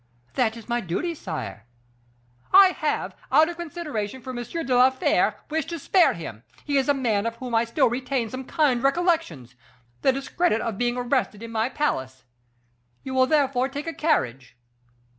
"'That is my duty, sire.' "'I have, out of consideration for M. de la Fere, wished to spare him he is a man of whom I still retain some kind recollections the discredit of being arrested in my palace. You will therefore take a carriage.